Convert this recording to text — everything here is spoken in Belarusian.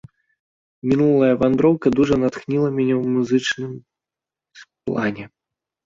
Мінулая вандроўка дужа натхніла мяне ў музычным плане.